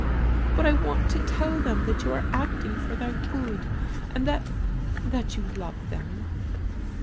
" But I want to tell them that you are acting for their good, and that — that you love them."